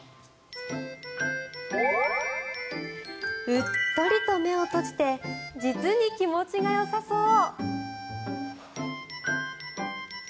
うっとりと目を閉じて実に気持ちがよさそう。